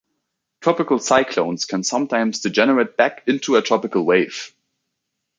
Tropical cyclones can sometimes degenerate back into a tropical wave.